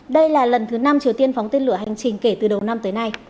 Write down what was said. đây là lần thứ năm triều tiên phóng tên lửa hành trình kể từ đầu năm tới nay